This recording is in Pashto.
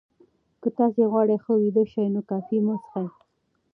که تاسي غواړئ ښه ویده شئ، نو کافي مه څښئ.